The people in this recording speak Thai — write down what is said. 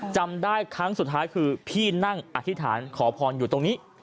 จำได้ครั้งสุดท้ายคือพี่นั่งอธิษฐานขอพรอยู่ตรงนี้